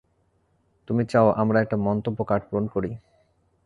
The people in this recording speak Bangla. তুমি চাও আমরা একটা মন্তব্য কার্ড পূরণ করি?